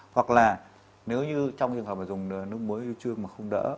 hoặc là nếu như trong trường hợp mà dùng nước muối yêu chương mà không đỡ